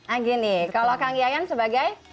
anggini kalau kang yayan sebagai